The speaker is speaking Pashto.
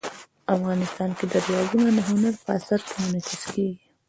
افغانستان کې دریابونه د هنر په اثار کې منعکس کېږي.